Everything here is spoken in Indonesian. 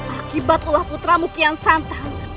akibat olah putra mukian santan